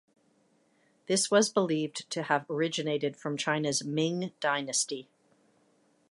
This was believed to have originated from China's Ming dynasty.